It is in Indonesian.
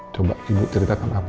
coba ibu ceritakan apa